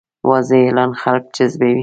واضح اعلان خلک جذبوي.